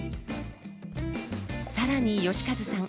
更によし和さん